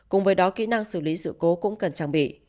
cùng với đó kỹ năng xử lý sự cố cũng cần trang bị